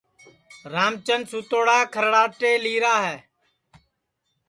رام چند سُوتوڑا کھرڑاٹے لیرا ہے